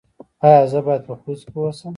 ایا زه باید په خوست کې اوسم؟